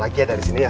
lagi ya dari sini ya